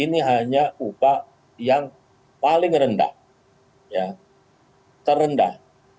ini hanya upah yang paling rendah terendah